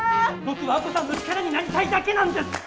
僕は亜子さんの力になりたいだけなんです！